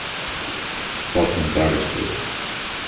Ordnung dargestellt.